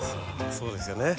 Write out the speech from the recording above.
そうですよね。